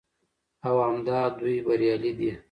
او همدا دوى بريالي دي